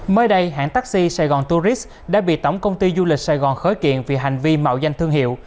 mới đây hãng taxi sài gòn tourist đã bị tổng công ty du lịch sài gòn khởi kiện vì hành vi mạo danh thương hiệu